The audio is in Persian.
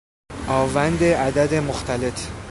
آوند عدد مختلط